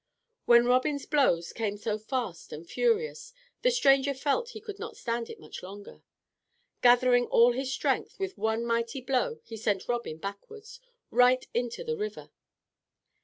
When Robin's blows came so fast and furious, the stranger felt he could not stand it much longer. Gathering all his strength, with one mighty blow he sent Robin backwards, right into the river.